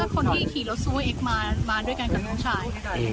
คนที่ขี่รถสู้เอ็กซ์มาด้วยกันกับลูกชาย